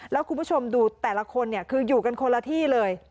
แล้วคุณผู้ชมดูแต่ละคนเนี่ยคืออยู่กันคนละที่เลย